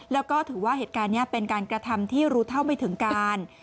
แล้วก็ถือว่าเหตุการณ์นี้เป็นการกระทำที่รู้เท่าไม่ถึงการ